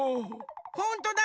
ほんとだ！